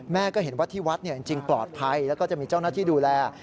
เห็นว่าที่วัดจริงปลอดภัยแล้วก็จะมีเจ้าหน้าที่ดูแล